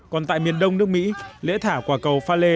còn tại miền đông nước mỹ lễ thả quả cầu pha lê